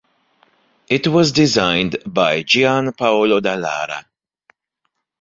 It was designed by Gian Paolo Dallara.